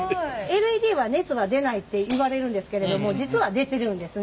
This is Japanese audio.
ＬＥＤは熱が出ないっていわれるんですけれども実は出てるんですね。